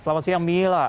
selamat siang mila